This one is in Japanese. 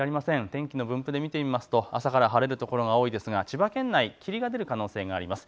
天気の分布で見てみますと朝から晴れる所が多いですが、千葉県内、霧が出る可能性があります。